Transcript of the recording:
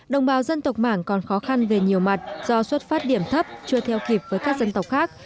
đồng bào dân tộc mảng còn khó khăn về nhiều mặt do xuất phát điểm thấp chưa theo kịp với các dân tộc khác